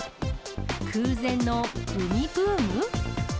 空前のグミブーム？